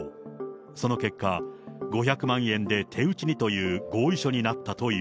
その結果、５００万円で手打ちにという合意書になったという。